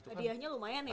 hadiahnya lumayan ya